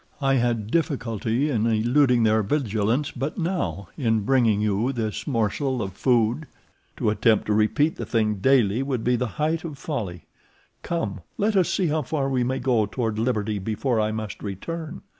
I had difficulty in eluding their vigilance but now in bringing you this morsel of food. To attempt to repeat the thing daily would be the height of folly. Come, let us see how far we may go toward liberty before I must return."